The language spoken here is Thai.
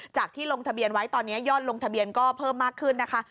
ที่ลงทะเบียนไว้ตอนนี้ยอดลงทะเบียนก็เพิ่มมากขึ้นนะคะ